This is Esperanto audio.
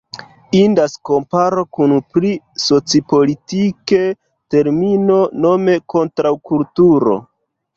Indas komparo kun pli soci-politike termino, nome Kontraŭkulturo.